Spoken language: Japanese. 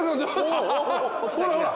ほらほら。